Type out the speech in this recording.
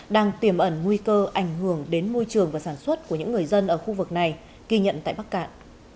đang tiềm ẩn nguy cơ ảnh hưởng đến môi trường và sản xuất của những người dân ở khu vực này ghi nhận tại bắc cạn